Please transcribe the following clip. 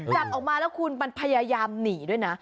จับออกมาแล้วคุณมันพยายามหนีด้วยนะ